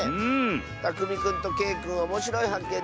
たくみくんとけいくんおもしろいはっけん